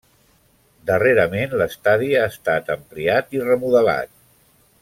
Darrerament l'estadi ha estat ampliat i remodelat.